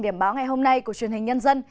điểm báo ngày hôm nay của truyền hình nhân dân